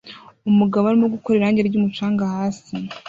Umugabo arimo gukora irangi ryumucanga hasi